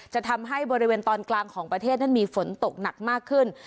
จะทำให้บริเวณตอนกลางของประเทศนั้นมีฝนตกหนักมากขึ้น